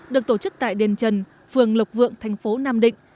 được tổ chức tại đền trần phường lộc vượng thành phố nam định